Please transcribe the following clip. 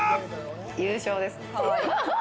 優勝です。